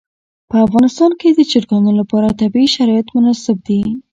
په افغانستان کې د چرګانو لپاره طبیعي شرایط مناسب دي.